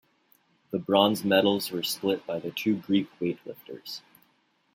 The bronze medals were split by the two Greek weightlifters.